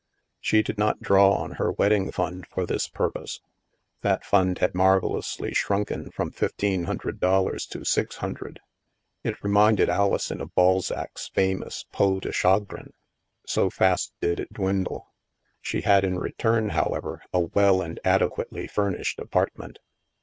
She did not draw on her wedding fund for this purpose. That fund had marvellously shrunken from fifteen hundred dollars to six hundred. It re minded Alison of Balzac's famous ^' peau de chagrin'' so fast did it dwindle. She had, in return, however, a well and adequately furnished apartment.